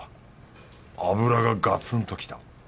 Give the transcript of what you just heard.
脂がガツンときた。